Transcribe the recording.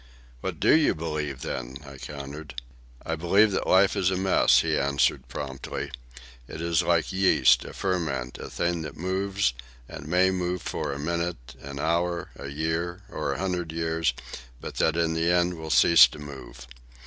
"What do you believe, then?" I countered. "I believe that life is a mess," he answered promptly. "It is like yeast, a ferment, a thing that moves and may move for a minute, an hour, a year, or a hundred years, but that in the end will cease to move.